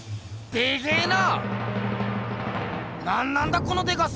でっけえな。